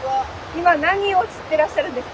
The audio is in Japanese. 今何を釣ってらっしゃるんですか？